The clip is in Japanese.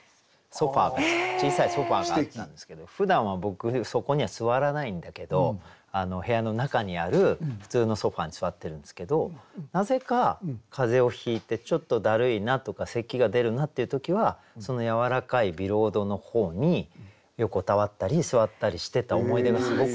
小さいソファーがあったんですけどふだんは僕そこには座らないんだけど部屋の中にある普通のソファーに座ってるんですけどなぜか風邪をひいてちょっとだるいなとか咳が出るなっていう時はそのやわらかいビロードの方に横たわったり座ったりしてた思い出がすごくあって。